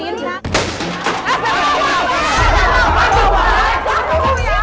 gimana sih tuh ceritanya